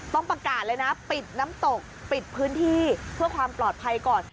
ต้องประกาศเลยนะปิดน้ำตกปิดพื้นที่เพื่อความปลอดภัยก่อน